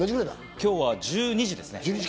今日１２時です。